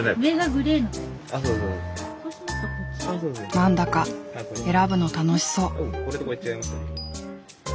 何だか選ぶの楽しそう。